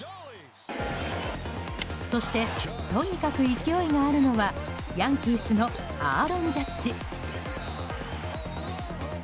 そして、とにかく勢いがあるのはヤンキースのアーロン・ジャッジ。